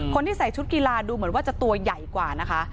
คนที่ใส่ชุดกีฬาดูเหมือนว่าจะตัวใหญ่กว่านะคะ